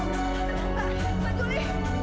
pergi mbak pergi pergi pergi